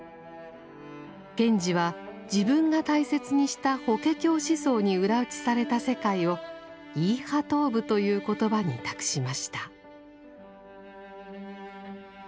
賢治は自分が大切にした法華経思想に裏打ちされた世界を「イーハトーブ」という言葉に託しました。